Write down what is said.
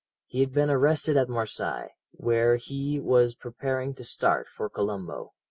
"He had been arrested at Marseilles, where he was preparing to start for Colombo.